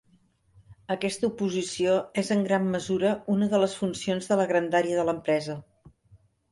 Aquesta oposició és en gran mesura una de les funcions de la grandària de l'empresa.